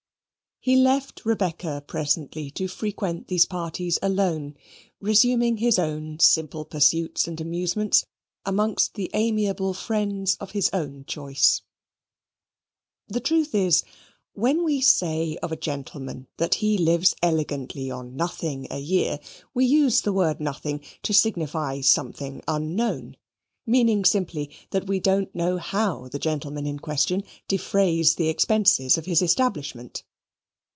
He left Rebecca presently to frequent these parties alone, resuming his own simple pursuits and amusements amongst the amiable friends of his own choice. The truth is, when we say of a gentleman that he lives elegantly on nothing a year, we use the word "nothing" to signify something unknown; meaning, simply, that we don't know how the gentleman in question defrays the expenses of his establishment.